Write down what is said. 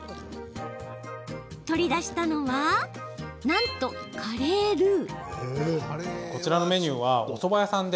取り出したのはなんと、カレールー。